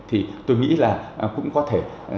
thì tôi nghĩ là cũng có thể